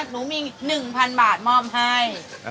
หนูมี๑๐๐๐บาทมอบให้